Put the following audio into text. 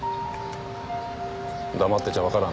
黙ってちゃ分からん